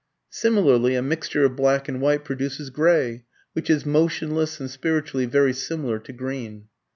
Similarly a mixture of black and white produces gray, which is motionless and spiritually very similar to green.